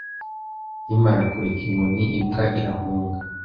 Nkimara kureka inkoni, imbwa irahunga.